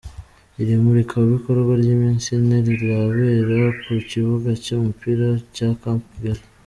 Iri murikabikorwa ry’iminsi ine rirabera ku kibuga cy’umupira cya Camp Kigali.